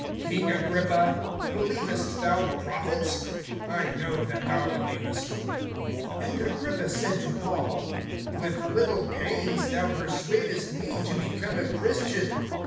(27)King Agrippa, believest thou the prophets? I know that thou believest. (28)And Agrippa said to Paul: With little pains[26:28a] thou persuadest[26:28b] me to become a Christian.